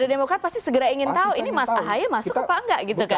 demokrat pasti segera ingin tahu ini mas ahaye masuk apa enggak gitu kan